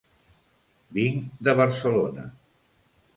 Vinc de Barcelona.